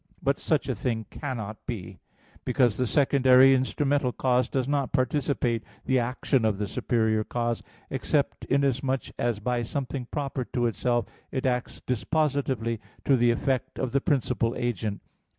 But such a thing cannot be, because the secondary instrumental cause does not participate the action of the superior cause, except inasmuch as by something proper to itself it acts dispositively to the effect of the principal agent.